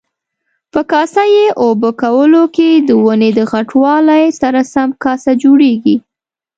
په کاسه یي اوبه کولو کې د ونې د غټوالي سره سم کاسه جوړیږي.